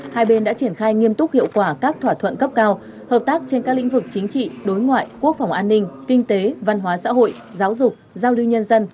hai bên đã triển khai nghiêm túc hiệu quả các thỏa thuận cấp cao hợp tác trên các lĩnh vực chính trị đối ngoại quốc phòng an ninh kinh tế văn hóa xã hội giáo dục giao lưu nhân dân